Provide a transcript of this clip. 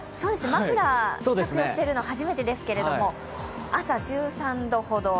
マフラーを着用しているのは初めてですけども、朝１３度ほど。